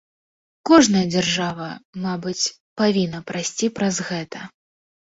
Кожная дзяржава, мабыць, павінна прайсці праз гэта.